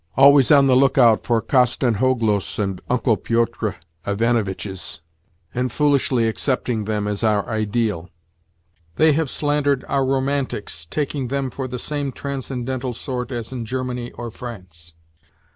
always on the look out for Kostanzhoglos and Uncle Pyotr Ivanitchs and foolishly accepting them as our ideal ; they have slandered our romantics, taking them for the same tran scendental sort as in Germany or France.